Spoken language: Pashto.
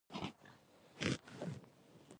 آیا ماش د دویم فصل په توګه کرل کیدی شي؟